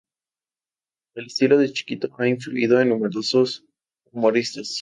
El estilo de Chiquito ha influido en numerosos humoristas.